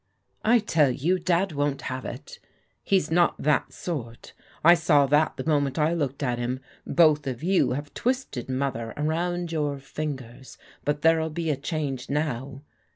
"I tell you. Dad won't have it. He's not that sort I saw that the moment I looked at him. Both of you have twisted Mother arotmd your fingers ; but there'll be a change now.